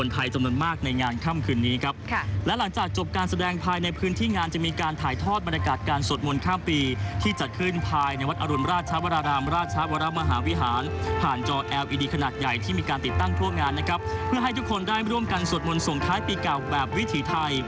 ทุกคนผมคิดว่าเป็นคนจากไทยค่ะไม่มีเที่ยวที่มากกว่า